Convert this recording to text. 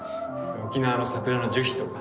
沖縄の桜の樹皮とか。